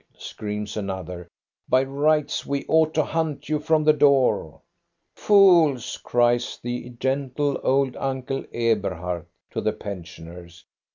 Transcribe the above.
screams another. " By rights we ought to hunt you from the door." "Fools," cries the gentle old Uncle Eberhard to the pensioners.